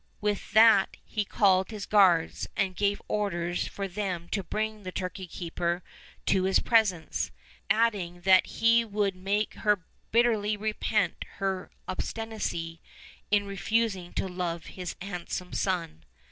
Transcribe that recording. With that he called his guards, and gave orders for them to bring the turkey keeper to his presence, adding that he would make her bitterly repent her obstinacy in refusing to love his handsome son.